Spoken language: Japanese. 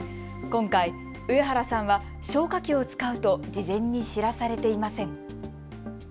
今回、上原さんは消火器を使うと事前に知らされていません。